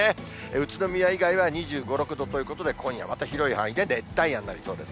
宇都宮以外は２５、６度ということで今夜また広い範囲で熱帯夜になりそうです。